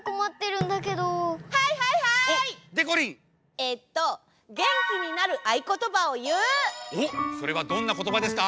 えっとおっそれはどんなことばですか？